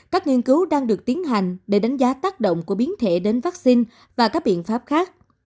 các nghiên cứu đang được tiến hành để đánh giá tác động của biến thể đến vaccine và các biện pháp khác